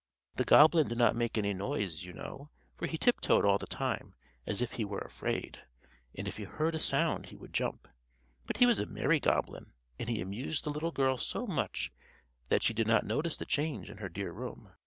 The goblin did not make any noise, you know, for he tip toed all the time, as if he were afraid; and if he heard a sound he would jump. But he was a merry goblin, and he amused the little girl so much that she did not notice the change in her dear room.